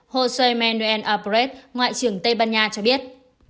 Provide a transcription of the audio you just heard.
hosea manuel albrecht ngoại trưởng tây ban nha cho biết